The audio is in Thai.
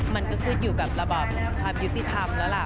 มันก็ขึ้นอยู่กับระบอบความยุติธรรมแล้วล่ะ